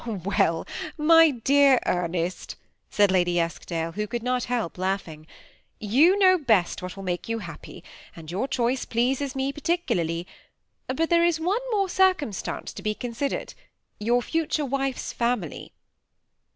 *^ Well, dear Ernest," said Lady Eskdale, who conld not help laughing, *^you know best what will make you happy, and your chmce pleases me particularly; but there is one' more circumstance to be considered, — your future wife's family."